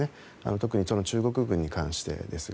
特に中国軍に関してですが。